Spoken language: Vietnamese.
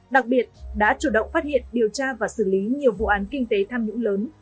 đặc biệt đã chủ động phát hiện điều tra và xử lý nhiều vụ án kinh tế tham nhũng lớn